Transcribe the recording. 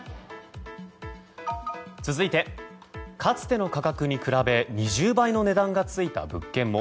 続いてかつての価格に比べ２０倍の値段が付いた物件も。